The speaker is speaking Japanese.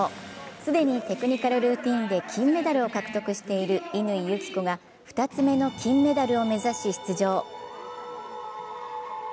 既にテクニカルルーティンで金メダルを獲得している乾友紀子が２つ目の金メダルを目指し出場。